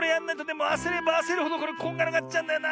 でもあせればあせるほどこれこんがらがっちゃうんだよな。